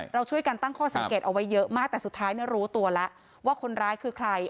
เราช่วยกันตั้งข้อสังเกตเอาไว้เยอะมากแต่สุดท้ายรู้ตัวแล้วว่าคนร้ายคือใคร